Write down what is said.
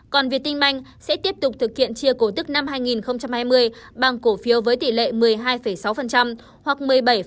còn việt tinh banh sẽ tiếp tục thực hiện chia cổ tức năm hai nghìn hai mươi bằng cổ phiếu với tỷ lệ một mươi hai sáu hoặc một mươi bảy năm